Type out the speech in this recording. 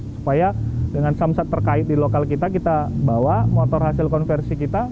supaya dengan samsat terkait di lokal kita kita bawa motor hasil konversi kita